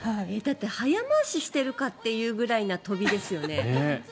だって早回ししてるかってぐらいの跳びですよね。